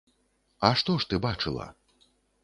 А што ж ты бачыла?